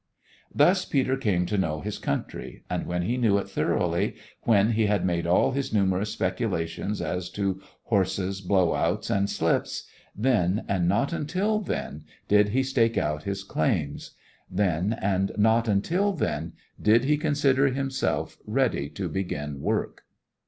Thus Peter came to know his country, and when he knew it thoroughly, when he had made all his numerous speculations as to horses, blowouts, and slips then, and not until then, did he stake out his claims; then, and not until then, did he consider himself ready to begin work.